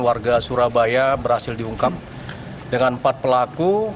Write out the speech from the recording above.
warga surabaya berhasil diungkap dengan empat pelaku